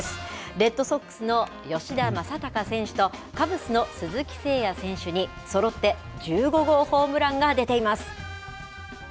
レッドソックスの吉田正尚選手と、カブスの鈴木誠也選手に、そろって１５号ホームランが出ています。